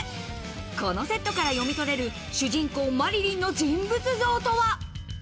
このセットから読み取れる主人公・麻理鈴の人物像とは？